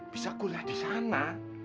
bisa kuliah disana